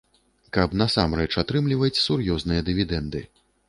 Каб насамрэч атрымліваць сур'ёзныя дывідэнды.